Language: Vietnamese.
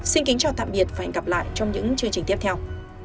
xin kính chào tạm biệt và hẹn gặp lại trong những chương trình tiếp theo